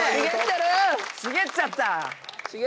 しげっちゃった。